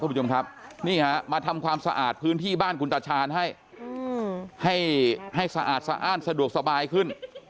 คุณผู้ชมครับนี่ฮะมาทำความสะอาดพื้นที่บ้านคุณตาชาญให้ให้สะอาดสะอ้านสะดวกสบายขึ้น